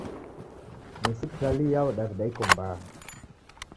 Ni sipitali iyao Daw'ida iko mbaha?